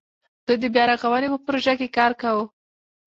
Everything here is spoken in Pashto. دوی د بیا رغاونې په پروژه کې کار کاوه.